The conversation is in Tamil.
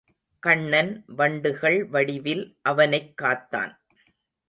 கண்ணன் வண்டுகள் வடிவில் அவனைக் காத்தான்.